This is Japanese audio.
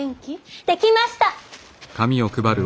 できました！